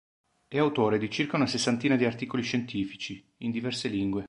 È autore di circa una sessantina di articoli scientifici, in diverse lingue.